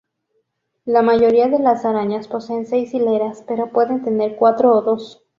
La mayoría de las arañas poseen seis hileras, pero pueden tener cuatro o dos.